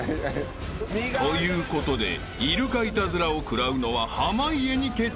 ［ということでイルカイタズラを食らうのは濱家に決定］